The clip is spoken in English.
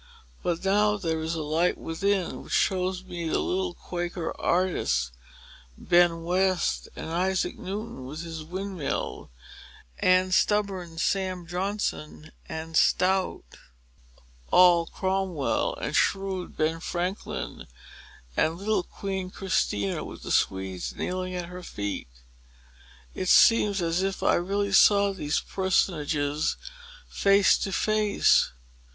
But now there is a light within which shows me the little Quaker artist, Ben West, and Isaac Newton with his windmill, and stubborn Sam Johnson, and stout Noll Cromwell, and shrewd Ben Franklin, and little Queen Christina with the Swedes kneeling at her feet. It seems as if I really saw these personages face to face.